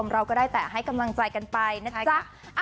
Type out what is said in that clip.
เราก็ได้แต่ให้กำลังใจกันไปนะจ๊ะ